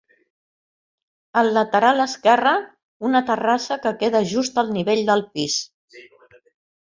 Al lateral esquerre, una terrassa que queda just al nivell del pis.